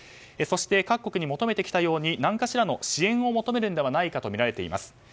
そして、各国に求めてきたように何かしらの支援を求めるのではないかとみられています。